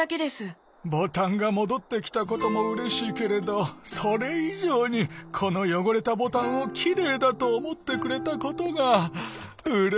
ボタンがもどってきたこともうれしいけれどそれいじょうにこのよごれたボタンをきれいだとおもってくれたことがうれしいな。